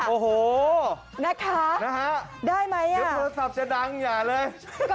โอ้โหนะคะได้ไหมอ่ะเดี๋ยวโทรศัพท์จะดังอย่าเลย